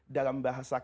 dalam bahasa arab itu